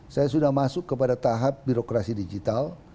saya sudah masuk kepada tahap birokrasi digital